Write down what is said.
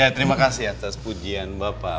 terima kasih atas pujian bapak